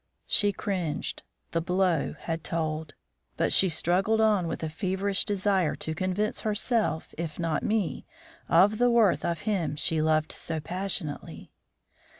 She cringed; the blow had told. But she struggled on, with a feverish desire to convince herself, if not me, of the worth of him she loved so passionately.